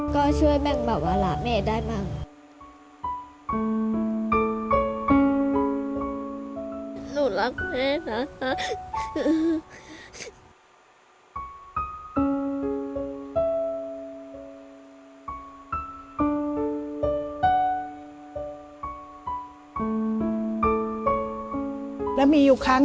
ก็ช่วยแม่บอกว่าละแม่ได้บ้าง